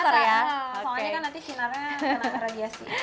karena cuma soalnya nanti sinarnya kena radiasi